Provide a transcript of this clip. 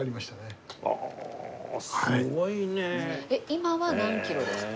今は何キロですか？